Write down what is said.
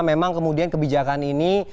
memang kemudian kebijakan ini